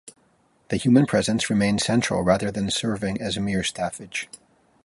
The human presence remained central rather than serving as mere staffage.